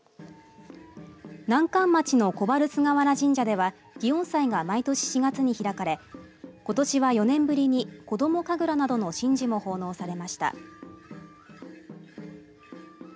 南関町の小原菅原神社では祇園祭が毎年４月に開かれことしは４年ぶりに子ども神楽などの神事も奉納されました。